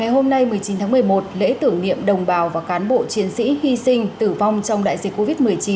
hôm nay một mươi chín tháng một mươi một lễ tưởng niệm đồng bào và cán bộ chiến sĩ hy sinh tử vong trong đại dịch covid một mươi chín